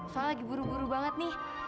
soalnya lagi buru buru banget nih